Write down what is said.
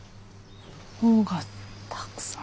本がたくさん。